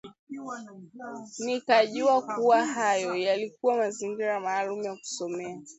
Nikajua kuwa hayo yalikua mazingira maalum ya kusomea